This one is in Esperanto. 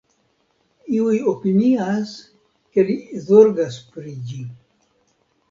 Iuj opinias, ke li zorgas pri ĝi.